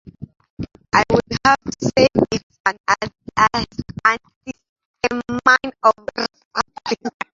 I would have said it's an antihistamine or something.